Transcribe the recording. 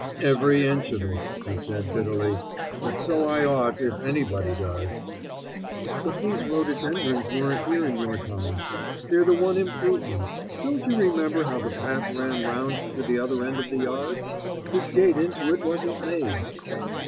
"Every inch of it!" he said bitterly. "But so I ought, if anybody does." "But these rhododendrons weren't here in your time. They're the one improvement. Don't you remember how the path ran round to the other end of the yard? This gate into it wasn't made."